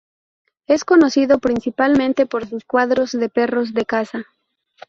Es conocido principalmente por sus cuadros de perros de caza.